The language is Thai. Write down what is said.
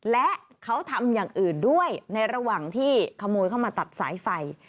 และเขาทำอย่างอื่นด้วยในระหว่างที่ขโมยเข้ามาตัดสายไฟ